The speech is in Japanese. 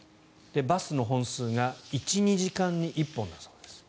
バスの本数が１２時間に１本だそうです。